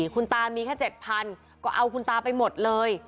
คุณตามีแค่๗๐๐ก็เอาคุณตาไปหมดเลย